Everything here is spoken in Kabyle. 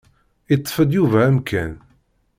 Iṭṭef-d Yuba amkan.